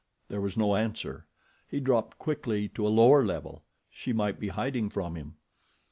There was no answer. He dropped quickly to a lower level. She might be hiding from him.